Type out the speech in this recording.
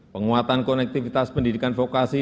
penguatan konektivitas pendidikan vokasi